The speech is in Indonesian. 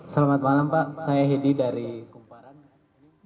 selamat malam pak saya hedi dari kumparan